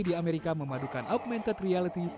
di amerika memadukan augmented reality